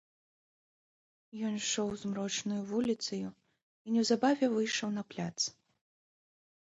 Ён ішоў змрочнаю вуліцаю і неўзабаве выйшаў на пляц.